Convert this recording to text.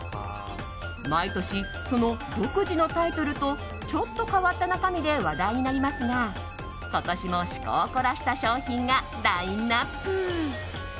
毎年、その独自のタイトルとちょっと変わった中身で話題になりますが、今年も趣向を凝らした商品がラインアップ。